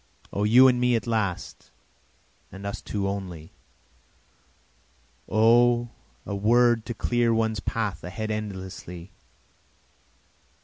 O you and me at last, and us two only. O a word to clear one's path ahead endlessly!